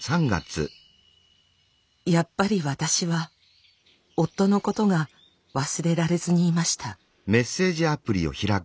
やっぱり私は夫のことが忘れられずにいました。